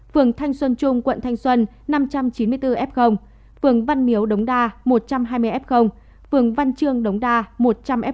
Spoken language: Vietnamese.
quận thanh xuân năm trăm chín mươi bốn f phường văn miếu đống đa một trăm hai mươi f phường văn trương đống đa một trăm linh f